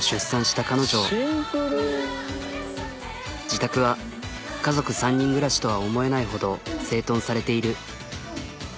自宅は家族３人暮らしとは思えないほど整頓されている。